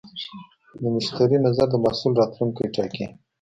د مشتری نظر د محصول راتلونکی ټاکي.